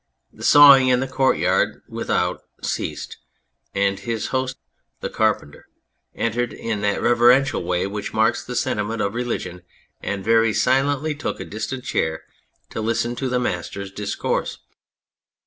The saw ing in the courtyard without ceased, and his host, the carpenter, entered in that reverential way which marks the sentiment of religion, and very silently took a distant chair to listen to the Master's discourse.